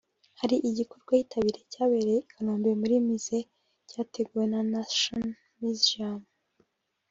Hari igikorwa yitabiriye cyabereye i Kanombe muri museum cyateguwe na national museum